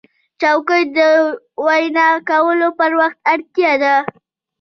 چوکۍ د وینا کولو پر وخت اړتیا ده.